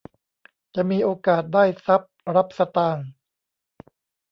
จะมีโอกาสได้ทรัพย์รับสตางค์